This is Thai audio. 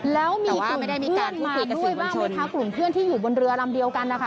แล้วมีคุณเพื่อนมาด้วยบ้างไหมคะคุณเพื่อนที่อยู่บนเรือลำเดียวกันนะคะ